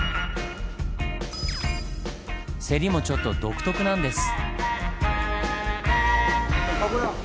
セリもちょっと独特なんです。